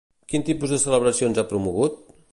Quin tipus de celebracions ha promogut?